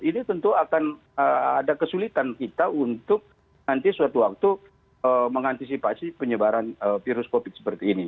ini tentu akan ada kesulitan kita untuk nanti suatu waktu mengantisipasi penyebaran virus covid seperti ini